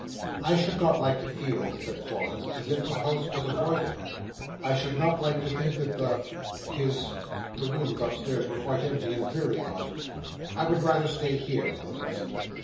"I should not like to feel," said Florence, "as if the house was avoided. I should not like to think that the—his—the rooms upstairs were quite empty and dreary, aunt. I would rather stay here, for the present.